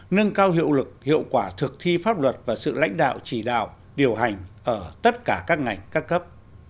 nâng cao hiệu lực hiệu quả thực thi pháp luật và sự lãnh đạo chỉ đạo điều hành ở tất cả các ngành các cấp